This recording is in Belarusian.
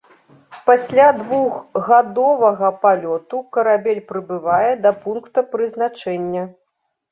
Пасля двухгадовага палёту карабель прыбывае да пункта прызначэння.